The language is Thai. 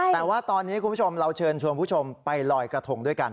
แต่ว่าตอนนี้คุณผู้ชมเราเชิญชวนผู้ชมไปลอยกระทงด้วยกัน